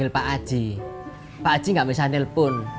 gak ada apa overse pengin